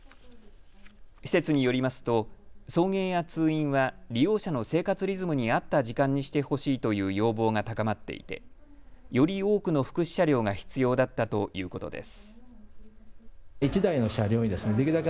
施設によりますと送迎や通院は利用者の生活リズムに合った時間にしてほしいという要望が高まっていてより多くの福祉車両が必要だったということです。